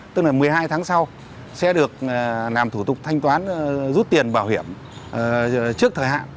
tức là một mươi hai tháng sau sẽ được làm thủ tục thanh toán rút tiền bảo hiểm trước thời hạn